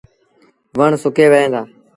وڻ سُڪي وهيݩ دآ۔